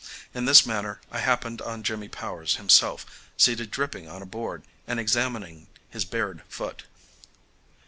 In this manner I happened on Jimmy Powers himself seated dripping on a board and examining his bared foot.